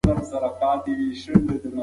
روژه د نفس د پاکوالي تمرین دی.